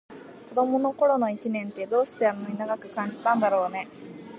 子どもの頃の一年って、どうしてあんなに長く感じたんだろうね。